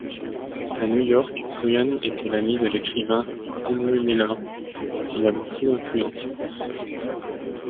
À New York, Gruen était l'ami de l'écrivain Henry Miller, qui l'a beaucoup influencé.